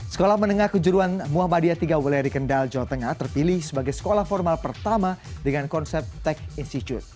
sekolah menengah kejuruan muhammadiyah tiga wleri kendal jawa tengah terpilih sebagai sekolah formal pertama dengan konsep tech institute